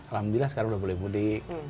alhamdulillah sekarang udah boleh mudik